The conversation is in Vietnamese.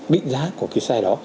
mịn giá của cái xe đó